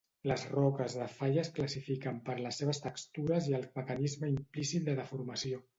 Les roques de falla es classifiquen per les seves textures i el mecanisme implícit de deformació.